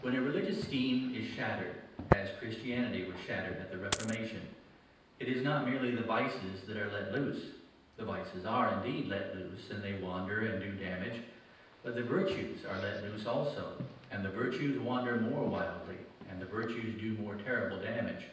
When a religious scheme is shattered (as Christianity was shattered at the Reformation), it is not merely the vices that are let loose. The vices are, indeed, let loose, and they wander and do damage. But the virtues are let loose also; and the virtues wander more wildly, and the virtues do more terrible damage.